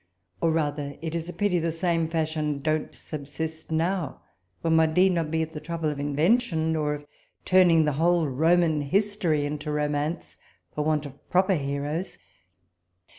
or rather, it is a pity the same fashion don't subsist now, when one need not be at the trouble of invention, nor of turning the whole Roman history into romance for want of proper heroes.